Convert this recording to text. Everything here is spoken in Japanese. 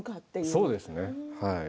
そうですね。